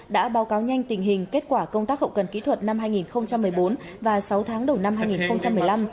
đã báo cáo nhanh tình hình kết quả công tác hậu cần kỹ thuật năm hai nghìn một mươi bốn và sáu tháng đầu năm hai nghìn một mươi năm